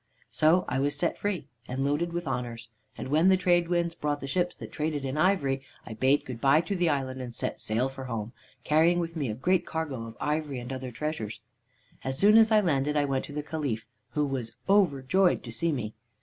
"So I was set free, and loaded with honors, and when the trade winds brought the ships that traded in ivory, I bade good by to the island, and set sail for home, carrying with me a great cargo of ivory and other treasures. "As soon as I landed I went to the Caliph, who was overjoyed to see me.